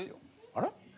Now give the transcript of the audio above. ・あれ？